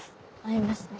ありますね。